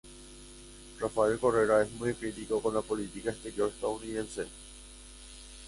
Rafael Correa es muy crítico con la política exterior estadounidense.